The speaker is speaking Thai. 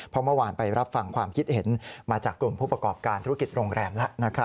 เพราะเมื่อวานไปรับฟังความคิดเห็นมาจากกลุ่มผู้ประกอบการธุรกิจโรงแรมแล้ว